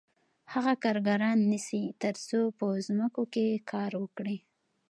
هغه کارګران نیسي تر څو په ځمکو کې کار وکړي